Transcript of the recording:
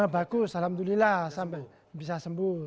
bagus alhamdulillah sampai bisa sembuh